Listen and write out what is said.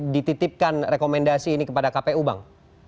dititipkan rekomendasi ini kepada kpu bang